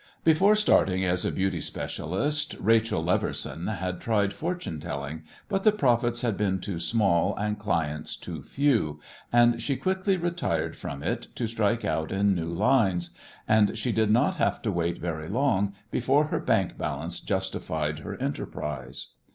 Before starting as a "beauty specialist" Rachel Leverson had tried fortune telling, but the profits had been too small and clients too few, and she quickly retired from it to strike out on new lines, and she did not have to wait very long before her bank balance justified her enterprise.